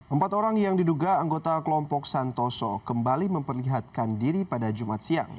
empat orang yang diduga anggota kelompok santoso kembali memperlihatkan diri pada jumat siang